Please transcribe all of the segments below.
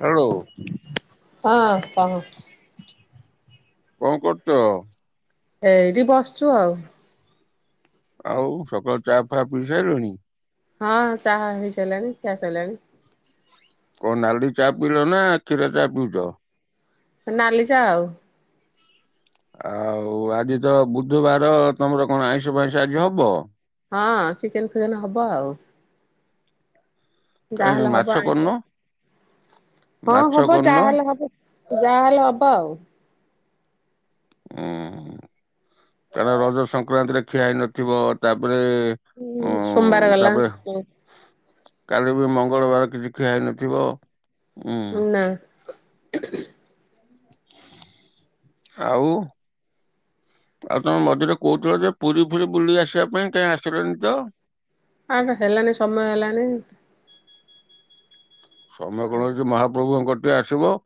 Hello. ହଁ କହ କଁ କରୁଛ? ଏଇଠି ବସଛୁ ଆଉ। ଆଉ ସକାଳୁ ଚା ଫା ପିଇ ସାଇଲଣି? ହଁ ଚାହା ହେଇ ସାଇଲାଣି ଖିଆ ସଇଲାଣି। କଣ ନାଲି ଚା ପିଇଲ ନା କ୍ଷୀର ଚା ପିଉଛ? ନାଲି ଚା ଆଉ। ଆଉ ଆଜି ତ ବୁଧୁବାର ତମର କଣ ଆଇଁଷ ଫାଇଁଷ ଆଜି ହବ? ହଁ ଚିକେନ ଫିକେନ ହବ ଆଉ। କାଇଁ ଯାହାହେଲେ ମାଛ ହବ କରିନ ଆଇଁଷ ହଁ ମାଛ ହବ କରିନ ଯାହାହେଲେ ହବ। ଯାହାହେଲେ ହବ ଆଉ। ଉଁ, କାରଣ ରଜ ସଂକ୍ରାନ୍ତିରେ ଖିଆ ହେଇ ନଥିବ ତାପରେ ଉଁ ସୋମବାର ଗଲା ତାପରେ ଉଁ। କାଲି ବି ମଙ୍ଗଳବାର କିଛି ଖିଆଇନଥିବ ଉଁ। ନା ଆଉ। ଆଉ ତମ ମଝିରେ କହୁଥିଲ ଯେ ପୁରୀ ଫୁରୀ ବୁଲି ଆସିବା ପାଇଁ କାଇଁ ଆସିଲନି ତ। ଆ ହେଲାନି ସମୟ ହେଲାନି। ସମୟ ଆଉ କଣ ଅଛି ମହାପ୍ରଭୁଙ୍କ କତିକି ଆସିବ।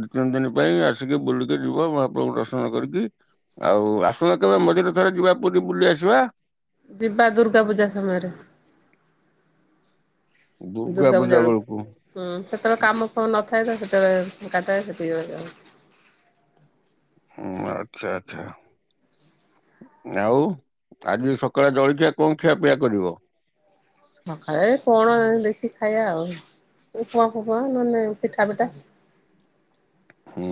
ଦି ତିନି ଦିନ ପାଇଁ ଆସିକି ବୁଲିକି ଯିବ ମହାପ୍ରଭୁଙ୍କୁ ଦର୍ଶନ କରିକି। ଆଉ ଆସୁନ କେବେ ମଝିରେ ଥରେ ଯିବା ପୁରୀ ବୁଲି ଆସିବା। ଯିବା ଦୁର୍ଗା ପୂଜା ସମୟରେ। ଦୁର୍ଗା ପୂଜା ବେଳକୁ ହୁଁ ସେତେବେଳେ କାମ ଫାମ ନଥାଏ ତ ସେତେବେଳେ ଫାଙ୍କାଥାଏ, ସେତିକିବେଳଯାଉ। ହୁଁ, ଆଚ୍ଛା ଆଚ୍ଛା। ଆଉ ଆଜି ସକାଳେ ଜଳଖିଆ କଣ ଖିଆ ପିଆ କରିବ? ସକାଳେ କଣ ଦେଖି ଖାଇବା ଆଉ। ଉପମା ଫୁପମା ନହେନେ ପିଠା ପିଠା। ହୁଁ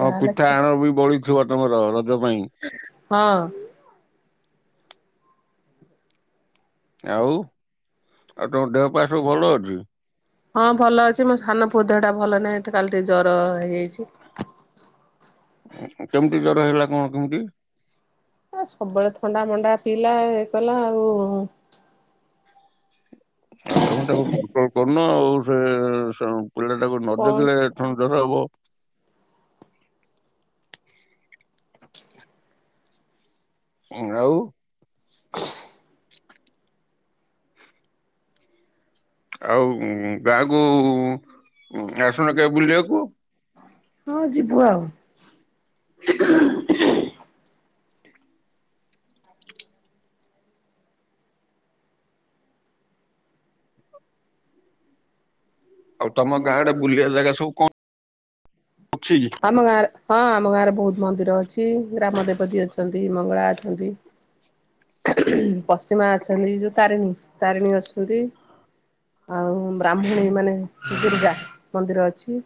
ହଁ ପିଠା ଆଣ ବି ବଳିଥିବ ତମର ରଜ ପାଇଁ। ହଁ। ଆଉ ଆଉ ତମ ଦେହ ପା ସବୁ ଭଲ ଅଛି? ହଁ ଭଲ ଅଛି ମୋ ସାନ ପୁଅ ଦେହ ଟା ଭଲ ନାହିଁ, କାଲି ଟିକେ ଜର ହେଇଯାଇଛି। କେମିତି ଜର ହେଲା କଁ କେମିତି? ଆ ସବୁବେଳେ ଥଣ୍ଡା ମଣ୍ଡା ପିଇଲା ଇଏ କଲା ଆଉ। ଆଉ ତମେ ତାକୁ କଣ୍ଟ୍ରୋଲ କରୁନ ଆଉ ସେ ସ ପିଲା ଟାକୁ ନ କଣ ଜଗିଲେ କଁ ଜର ହବ। ଉଁ ଆଉ। [inaudible] [inaudible] ଆଉ ଗାଁକୁ ଆସୁନୁ କେବେ ବୁଲିବାକୁ? ହଁ ଯିବୁ ଆଉ। ଆଉ ତମ ଗାଁ ଆଡ଼େ ବୁଲିବା ଜାଗା ସବୁ କ ଅଛି? ଆମ ଗାଁରେ ହଁ ଆମ ଗାଁରେ ବୋହୁତ ମନ୍ଦିର ଅଛି ଗ୍ରାମଦେବତୀ ଅଛନ୍ତି। ମଙ୍ଗଳା ଅଛନ୍ତି। ପଶ୍ଚିମା ଅଛନ୍ତି ଯୋଉ ତାରିଣୀ ତାରିଣୀ ଅସନ୍ତି। ଆଉ ବ୍ରାହ୍ମୁଣୀ ମାନେ ଦୁର୍ଗା ମନ୍ଦିର ଅଛି।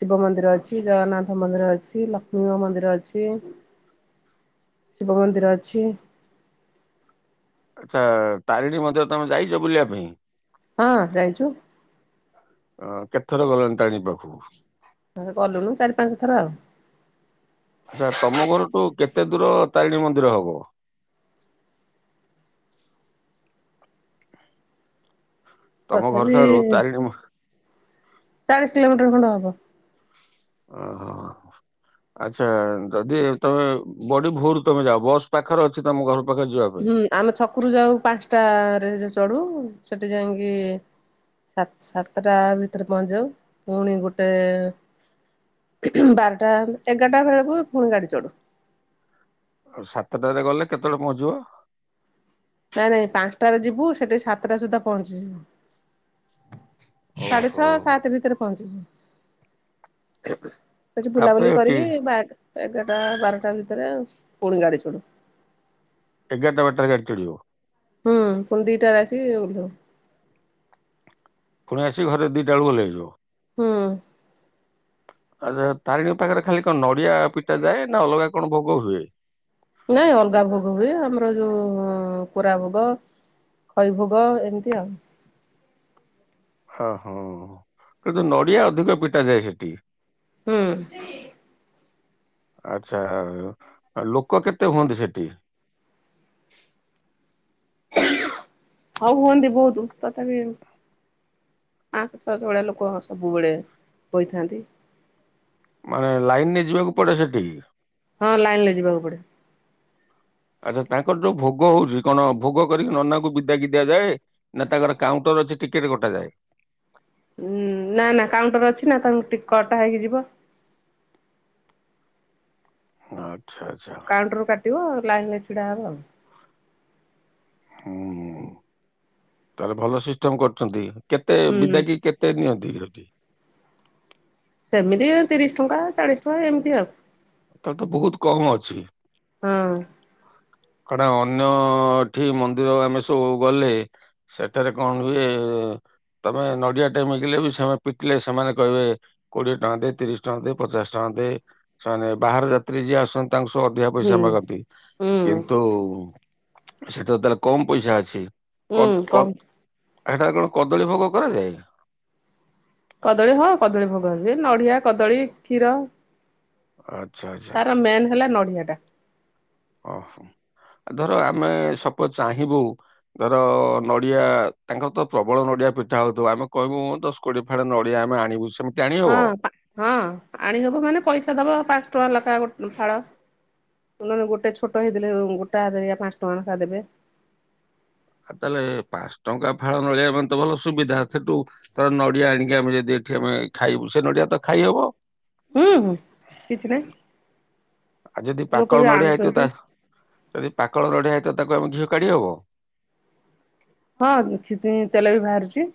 ଶିବ ମନ୍ଦିର ଅଛି ଜଗନ୍ନାଥ ମନ୍ଦିର ଅଛି ଲକ୍ଷ୍ମୀଙ୍କ ମନ୍ଦିର ଅଛ୍ ତିଏ ଶିବ ମନ୍ଦିର ଅଛି। ଆଚ୍ଛା ତାରିଣୀ ମନ୍ଦିର ତମେ ଯାଇଚ ବୁଲିବା ପାଇଁ? ହଁ ଜାଇଚୁ। ଅ କେତ ଥର ଗଲଣି ତାରିଣୀ ପାଖୁକୁ? ହଁ ଗଲୁଣୁ ଚାରି ପାଞ୍ଚ ଥର ଆଉ। ଆଚ୍ଛା ତମ ଘରଠୁ କେତେ ଦୂର ତାରିଣୀ ମନ୍ଦିର ହବ? ତମ ଘର ତଥାପି ଠାରୁ ତାରିଣୀ ମ ଚାଳିଶ କିଲୋମିଟର୍ ଖଣ୍ଡେ ହବ। ଅହ। ଆଚ୍ଛା ଯଦି ତମେ ବଡ଼ି ଭୋରରୁ ତମେ ଯାଅ ବସ୍ ପାଖରେ ଅଛି ତମ ଘର ପାଖରେ ଯିବା ପାଇଁ? ହୁଁ ଆମେ ଛକୁରୁ ଯାଉ ପାଂଶଟାରେ ଯେ ଚଢ଼ୁ ସେଠି ଯାଇଁକି ସା ସାତଟା ଭିତରେ ପହଞ୍ଚିଯାଉ ପୁଣି ଗୋଟେ ବାରଟା ଏଗାରଟା ବେଳୁକୁ ଫୁଣି ଗାଡ଼ି ଚଢୁ। ଆଉ ସାତଟାରେ ଗଲେ କେତଳେ ପହଞ୍ଚିବ? ନାଁ ନାଇଁ ପାଂଶଟାରେ ଯିବୁ ସେଠି ସତଟା ସୁଦ୍ଧା ପହଞ୍ଚିଯିବୁ। ସାଢ଼େ ଓହୋ ଛଅ ସାତେ ଭିତରେ ପହଞ୍ଚିବୁ। ସେଠି ତାପରେ ବୁଲାବୁଲି ଏଠି କରିକି ବା ଏଗାରଟା ବାରଟା ଭିତରେ ପୁଣି ଗାଡ଼ି ଚଢ଼। ଏଗାରଟା ବାରଟାରେ ଗାଡ଼ି ଚଢ଼ିବ? ହୁଁ ପୁଣି ଦିଟାରେ ଆସି ଉଲ୍ହଉ। ପୁଣି ଆସି ଘରେ ଦିଇଟା ଓଳୁ ଓଲ୍ହେଇଯିବ। ହୁଁ। ଆଚ୍ଛା ତାରିଣୀଙ୍କ ପାଖରେ ଖାଲି କଣ ନଡ଼ିଆ ପିଟା ଯାଏ ନାଁ ଅଲଗା କଣ ଭୋଗ ହୁଏ? ନାଇଁ ଅଲଗା ଭୋଗ ହୁଏ ଆମର ଯୋଉ କୋରା ଭୋଗ। ଖଇ ଭୋଗ ଏମିତି ଆଉ। ହ ହ କିନ୍ତୁ ନଡ଼ିଆ ଅଧିକ ପିଟାଯାଏ ସେଠି। ହୁଁ। ଆଚ୍ଛା ଲୋକ କେତେ ହୁଅନ୍ତି ସେଠି? ହ ହୁଅନ୍ତି ବହୁତୁ ତଥାପି ପାଁଶ ଛଅଶ ଭଳିଆ ଲୋକ ସବୁବେଳେ ହୋଇଥାନ୍ତି। ମା ଲାଇନ୍ ରେ ଯିବାକୁ ପଡ଼େ ସେଠିକି? ହଁ ଲାଇନ୍ ଲେ ଯିବାକୁ ପଡ଼େ। ଆଚ୍ଛା ତାଙ୍କର ଯୋଉ ଭୋଗ ହଉଚି କଣ ଭୋଗ କରିକି ନନାକୁ ବିଦାକି ଦିଆଯାଏ? ନାଁ ତାଙ୍କର କାଉଣ୍ଟର ଅଛି ଟିକେଟ୍ କଟାଯାଏ? ଉଁ ନାଁ ନାଁ କାଉଣ୍ଟର୍ ଅଛି ନାଁ ତାଙ୍କୁ ଟି କଟା ହେଇକି ଯିବ। ଆଚ୍ଛା ଆଚ୍ଛା। କାଉଣ୍ଟରୁ କାଟିବ ଲାଇନ୍ ରେ ଛିଡ଼ା ହବ ଆଉ। ହୁଁ ହୁଁ ତାହେଲେ ଭଲ ସିଷ୍ଟମ୍ କରଚନ୍ତି କେତେ ହୁଁ ବିଦାକି କେ ଏତେ ନିଅନ୍ତିଉଠି। ସେମିତି ତିରିଶ ଟଙ୍କା ଚାଳିଶ ଟଙ୍କା ଏମିତି ଆଉ। ତ ତ ବହୁତ କମ ଅଛି। ହଁ। କାରଣ ଅନ୍ୟଠି ମନ୍ଦିର ଆମେ ସବୁ ଗଲେ ସେଠାରେ କଣ ହୁଏ? ତମେ ନଡିଆ ଟାଇମଗଲେ ବି ସେମାନେ ପିତିଲେ ସେମାନେ କହିବେ କୋଡିଏ ଟଙ୍କା ଦେ, ତିରିଶ ଟଙ୍କା ଦେ, ପଚାଶ ଟଙ୍କା ଦେ ସେମାନେ ବାହାର ଯାତ୍ରୀ ଯିଏ ଆସନ୍ତି। ତାଙ୍କୁ ସବୁ ଅଧିକା ହୁଁ ପଇସା ମାଗନ୍ତି। ହୁଁ କିନ୍ତୁ ସେଟା ତାହେଲେ କମ ପଇସା ଅଛି ହୁଁ କତ କମ୍ କତ ଏଟା କଣ କଦଳୀ ଭୋଗ କରାଯାଏ? କଦଳୀ ହଁ କଦଳୀ ଭୋଗ ହୁଏ, ନଡିଆ, କଦଳୀ, କ୍ଷୀର। ଆଚ୍ଛା ଆଚ୍ଛା ତାର ମେନ୍ ହେଲା ନଡିଆ ଟା। ଓହୋ ଧର ଆମେ ସପୋଚ୍ ଚାହିଁବୁ ଧର ନଡିଆ ତାଙ୍କର ତ ପ୍ରବଳ ନଡିଆ ପିଠା ହଉଥିବ ଆମେ କହିବୁ ଦ କୋଡି ଫାଳେ ନଡିଆ ଆମେ ଆଣିବୁ ସେ ହଁ ହଁ ଆଣିଦବ ମାନେ ପଇସା ଦବ ପାଞ୍ଚ ଟଙ୍କା ଲେଖାଏ ଗୋ ଫାଳ। ତୁ ନେ ଗୋଟେ ଛୋଟଇଲେ ଗୋଟା ହାରଆ ପାଞ୍ଚ ଟଙ୍କା ଲୋ ଦେବେ। ଆଉ ତାହେଲେ ପାଞ୍ଚ ଟଙ୍କା ଫାଳ ନଳିଆ ପାଇଁ ତ ଭଲ ସୁବିଧା ସେଠୁ ତ ନଡିଆ ଆଣିକି ଆମେ ଯଦି ଏଠି ଆମେ ଖାଇବୁ ସେ ନଡିଆ ତ ଖାଇ ହବ? ହୁଁ ହୁଁ କିଛି ନାହିଁ। ଆଉ ଯଦି ଲୋକ ପାକଳ ବି ଆଣୁଛନ୍ତି ନଡ଼ିଆଇତ ଯଦି ପାକଳ ନଡ଼ିଆ ହଇତ ତାକୁ ଆମେ ଘିଅ କାଢ଼ି ହବ? ହଁ ସେତି ତେଲ ବି ବାହାରୁଛି।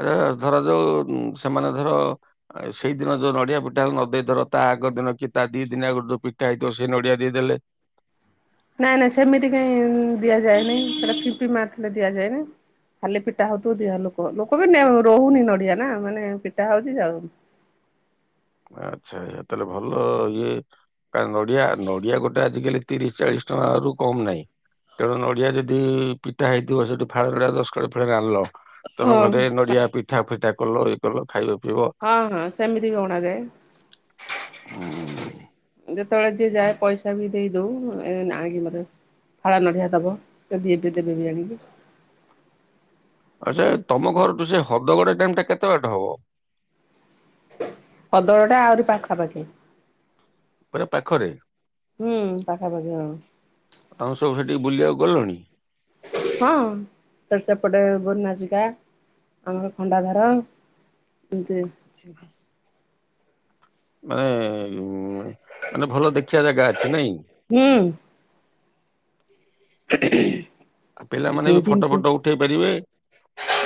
ଆଛା ଧରା ଯୋଉ ସେମାନେ ଧର ସେଇଦିନ ଯୋଉ ନଡିଆ ପିଠା ହେ ନ ଦେଇଥର ତା ଆଗ ଦିନ କି ତା ଦି ଦିନି ଆଗରୁ ଯୋଉ ପିଠା ହେଇଥିବ ସେଇ ନଡିଆ ଦେଇଦେଲେ। ନାଇଁ ନାଇଁ ସେମିତି କାଇହିଁ ଦିଆଯାଏନି ସେଟ କିମ୍ପି ମାରିଥିଲେ ଦିଆଯାନି। ଖାଲି ପିଟା ହଉଥିବ ଦିହ ଲୋକ ଲୋକ ବି ରହୁନି ନଡିଆ ନା ମାନେ ପିଟା ହଉଛି ଯାଉ ଆଚ୍ଛା ଏ ତାହେଲେ ଭଲ ଇଏ। କାର ନଡିଆ ନଡିଆ ଗୋଟେ ଆଜିକାଲି ତିରିଶ ଚାଳିଶ ଟଙ୍କା ରୁ କମ ନାହିଁ। ତେଣୁ ନଡିଆ ଯଦି ପିଠା ହେଇଥିବ ସେଠି ଫାଳ ଗଡିଆ ଦଶ କକାଳେ ଫାଳେ ଆଣିଲ। ତମେ ହଁ। ଘରେ ନଡିଆ ପିଠା ଫିଠା କଲ ଇଏ କଲ ଖାଇବ ପିଇବ। ହଁ ହଁ ସେମିତି ବି ଅଣାଯାଏ। ହୁଁ। ଯେତେବେଳେ ଯିଏ ଯାଏ ପଇସା ବି ଦେଇ ଦଉ ଏ ଆଣିକି ମତେ ଫାଳ ନଡିଆ ଦବ। କ ଦେଏ ଦେବେ ଆଣିବ। ଆଚ୍ଛା ତମ ଘରଠୁ ସେ ହ୍ରଦଗଡ଼ ଟାଇମ ଟା କେତେ ବାଟ ହବ? ହଦଗଡଟା ଆହୁରି ପାଖାପାଖି। ପୁରା ପାଖରେ। ହୁଁ ପାଖାପାଖି ହଁ। ଆଉ ସବୁ ସେଠିକି ବୁଲିବାକୁ ଗଲଣି? ହଁ ସେପଟେ ଗୋନାସିକା ଆମର ଖଣ୍ଡା ଧାର। [unintelligible] ମେ ଉଁ ଏ। ମାନେ ଭଲ ଦେଖି ଖିଆ ଜାଗା ଅଛି ନାଇଁ? ହୁଁ। ଆଉ ପିଲାମାନେ ବି ଫଟୋ ଦିନକୁ ଫଟୋ ଉଠେଇ ପାରିବେ।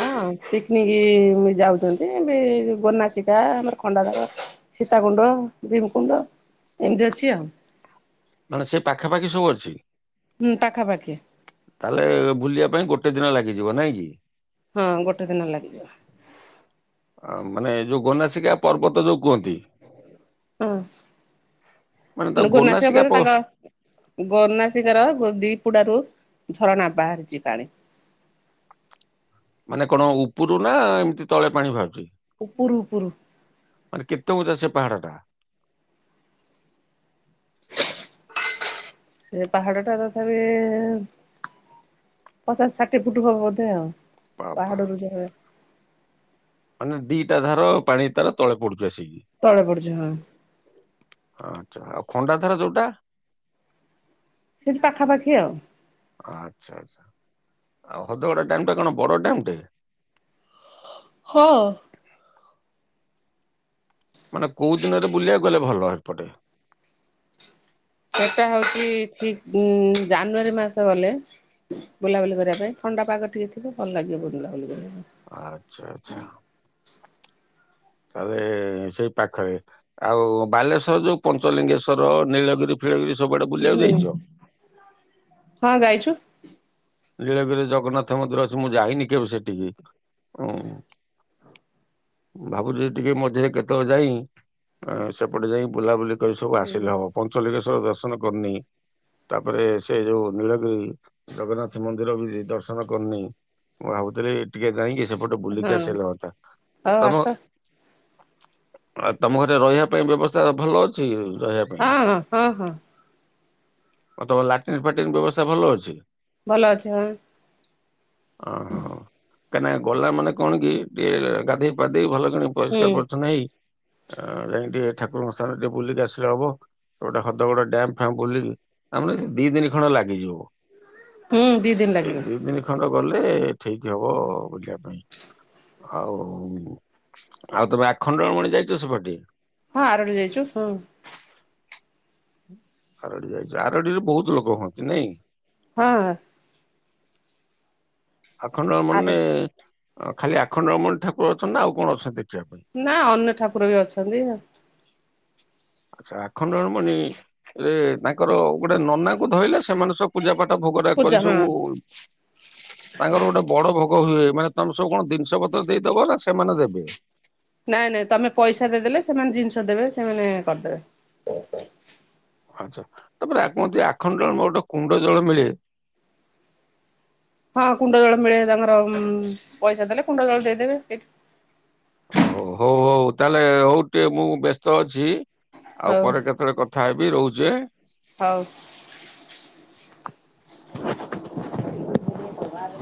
ହଁ ପିକନିକି ଯାଉଛନ୍ତି ବି ଗୋନାସିକା ଆମର ଖଣ୍ଡାଧାର। ସୀତା କୁଣ୍ଡ ଭୀମକୁୁଣ୍ଡ। ମାନେ ସେ ପାଖାପାଖି ସବୁ ଅଛି? ହୁଁ ପାଖାପାଖି। ତାହେଲେ ଭୁଲିବା ପାଇଁ ଗୋଟେ ଦିନ ଲାଗିଯିବ ନାଇଁ କି? ହଁ ଗୋଟେ ଦିନ ଲାଗିଯିବ। ଆ ମାନେ ଯୋଉ ଗୋନାସିକା ପର୍ବତ ଯୋଉ କୁହନ୍ତି। ମାନେ ତା ହୁଁ ଗୋନାସିକା ପରେ ପ ତାଙ୍କ ଗନାସିକର ଗ ଦିପୁଡାରୁୁ ଝରଣା ବାହାରିଛି ପାଣି। ମାନେ କଣ ଉପୁରୁ ନା ଏମିତି ତଳେ ପାଣି ବାହାରୁଛି? ଉପୁରୁ ଉପୁରୁ। ମାନେ କେତେ ଉଞ୍ଚା ସେ ପାହାଡଟା? ସେ ପାହାଡ ଟା ତଥାପି ପଚାଶ ଷାଠିଏ ଫୁଟ ହବ ବୋଧେ ଆଉ। ବାବା ପାହାଡରୁ ଝରେ ମାନେ ଦିଟା ଧାର ପାଣି ତାର ତଳେ ପଡୁଛୁ ଆସିକି। ତଳେ ପଡୁଛି ହଁ। ଆଚ୍ଛା ଆଉ ଖଣ୍ଡାଧାର ଯୋଉଟା? ସେଠି ପାଖାପାଖି [unintelligible] ଆଉ। ଆଚ୍ଛା ଆଚ୍ଛା ଆଉ ହଦଗଡ ଡ୍ୟାମ ଟା କଣ ବଡ ଡ୍ୟାମ ଟେ? ହଁ। ମାନେ କୋଉ ଦିନରେ ବୁଲିବାକୁ ଗଲେ ଭଲ ହେପଟେ? ସେଟା ହଉଛି ଠିକ୍ ଉଁ ଜାନୁଆରୀ ମାସ ଗଲେ। ବୁଲାବୁଲି କରିବା ପାଇଁ ଥଣ୍ଡା ପାଗ ଟିକେ ଥିବ ଭଲ ଲାଗିବ ବୁଲାବୁଲି କରିବା ପାଇଁ। ଆଚ୍ଛା ଆଚ୍ଛା। ତାଲେ ସେଇ ପାଖରେ ଆଉ ବାଲେଶ୍ଵର ଯୋଉ ପଞ୍ଚଲିଙ୍ଗେଶ୍ଵର ନୀଳଗିରି ଫିଳଗିରି ସବୁଆଡେ ବୁଲିବାକୁ ପାଇଁ। ଯାଇଛ? ହଁ ଯାଇଛୁ। ନୀଳଗିରିରେ ଜଗନ୍ନାଥ ମନ୍ଦିର ଅଛି ମୁଁ ଯାଇନି କେବେ ସେଠିକି ଓଁ ଭାବୁଛି ଟିକେ ମଝିରେ କେତେବେଳେ ଯାଇଁ ଏ ସେପଟେ ଯାଇଁ ବୁଲାବୁଲି କରି ସବୁ ଆସିଲେ ହଁ ହବ ପଞ୍ଚ ଞ୍ଚଲିଙ୍ଗେଶ୍ୱର ଦର୍ଶନ କରିନେଇ ତାପରେ ସେ ଯୋଉ ନୀଳଗିରି ଜଗନ୍ନାଥ ଛି ମନ୍ଦିର ବି ଦର୍ଶନ କରିନେଇ ମୁଁ ଭାବୁଥିଲି ଟିକେ ଯାଇକି ସ ସେପଟେ ବୁଲିକି ଆସିଲେ ହଁଅନ୍ତା ହଉ ତମ ଆସ ଆଉ ତମ ଘରେ ରହିବା ପାଇଁ ବ୍ୟବସ୍ଥା ଭଲ ଅଛି ରହିୟା ହଁ ହଁ ହଁ। ଆଉ ତମ ଲାଟିନ ଫାଟିନ୍ ବ୍ୟବସ୍ଥା ଭଲ ଅଛି? ଭଲ ଅଛି ହଁ। ଓହୋ କାହିଁକି ନା ଗଲା ମାନେ କଣ କି ଟିକେ ଗାଧେଇ ପାଧେଇ ଭଲ କିଣ ହୁଁ ପରିଷ୍କାର ପରିଛନ୍ନ ହେଇ ଅ ଯାଇ ଟିକେ ଠାକୁରଙ୍କ ସ୍ଥାନ ଟିକେ ବୁଲିକି ଆସିଲେ ହବ। ଗୋଟେ ହଦଗଡ ଡ୍ୟମ୍ ଫ୍ୟାମ ବୁଲିକି ତାମାନେ ଦି ଦିନି ଖଣ୍ଡେ ଲାଗିଯିବ। ହୁଁ ଦି ଦିନ ଏ ଲାଗିବ ଦି ଦିନି ଖଣ୍ଡ ଗଲେ ଠିକ୍ ହବ ବୁଲିବା ପାଇଁ। ଆଉ ଆଉ ତମେ ଆଖଣ୍ଡଳ ମଣି ଯାଇଛ ସେପଟେ? ହଁ ଆରଡି ଯାଇଛୁ ହୁଁ। ଆରଡି ଯାଇଛି ଆରଡିରେ ବହୁତ ଲୋକ ହୁଅନ୍ତି ନାଇଁ? ହଁ। ଆଖଣ୍ଡଳ ମଣି ଆର ରେ ଖାଲି ଆଖଣ୍ଡଳମଣି ଠାକୁର ଅଛନ୍ତି ନା ଆଉ କଣ ଅଛନ୍ତି ଦେଖିବା ପାଇଁ? ନା ଅନ୍ୟ ଠାକୁର ବି ଅଛନ୍ତି। ଆଛା ଆଖଣ୍ଡଣମଣି ରେ ତାଙ୍କର ଗୋଟେ ନନା ଙ୍କୁ ଧରିଲେ ସେମାନେ ସବୁ ପୂଜା ପାଠ ଭୋଗ ରାଗ ପୂଜା କରିକି ହଁ। ସବୁ ତାଙ୍କର ଗୋଟେ ବଡ ଭୋଗ ହୁଏ। ମାନେ ତମେ ସବୁ କଣ ଜିନିଷ ପତ୍ର ଦେଇଦବ ନା ସେମାନେ ଦେବେ? ନାଇଁ ନାଇଁ ତମେ ପଇସା ଦେଇଦେଲେ ସେମାନେ ଜିନିଷ ଦେବେ ସେମାନେ କରିଦେବେ। ଆଚ୍ଛା। ତାପରେ କୁହନ୍ତି ଆଖଣ୍ଡାଳ ଗୋଟେ କୁଣ୍ଡ ଜଳ ମିଳେ। ହଁ କୁଣ୍ଡ ଜଳ ମିଳେ ତାଙ୍କର ପଇସା ଦେଲେ କୁଣ୍ଡ ଜଳ ଦେଇଦେବେ। ହଉ ହଉ ହଉ ତାହେଲେ ହଉ ଟିକେ ମୁଁ ବ୍ୟସ୍ତ ଅଛି ଆଉ ହଉ ପରେ କେତେବେଳେ କ ଥା ହେବି ରହୁଛି ହେ। ହଉ। [unintelligible]